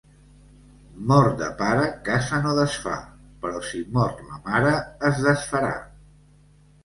Mort de pare casa no desfà, però si mort la mare es desfarà.